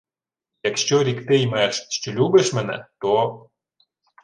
— Якщо рікти-ймеш, що любиш мене, то...